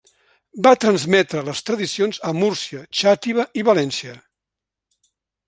Va transmetre les tradicions a Múrcia, Xàtiva i València.